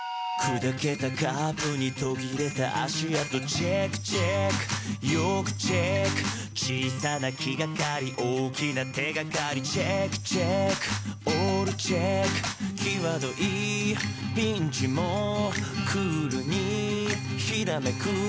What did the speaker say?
「チェックチェックよくチェック」「小さな気がかり大きな手がかり」「チェックチェックオールチェック」「きわどいピンチも」「クールに閃く」